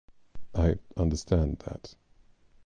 I understand that.